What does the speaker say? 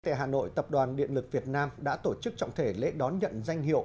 tại hà nội tập đoàn điện lực việt nam đã tổ chức trọng thể lễ đón nhận danh hiệu